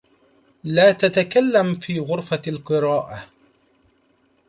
لا تتكلم في غرفة القراءة.